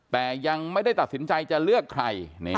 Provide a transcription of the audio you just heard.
แต่ยังไม่ได้ตัดสินใจจะเลือกใคร